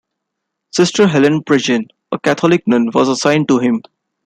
Sister Helen Prejean, a Catholic nun, was assigned to him.